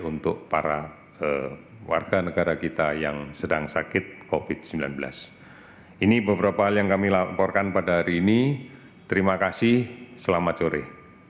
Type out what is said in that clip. untuk para warga negara kita yang sedang sakit covid sembilan belas ini beberapa hal yang kami laporkan pada hari ini terima kasih selamat sore